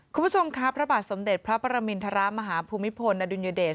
คุณผู้ชมครับพระบาทสมเด็จพระปรมินทรมาฮภูมิพลอดุลยเดช